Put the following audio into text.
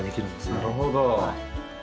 なるほど。